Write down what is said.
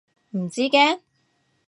唔知驚？